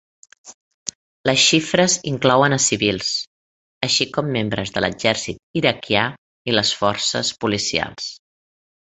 Les xifres inclouen a civils, així com membres de l'exèrcit iraquià i les forces policials.